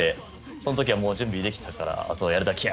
その時は準備ができていたからあとはやるだけや！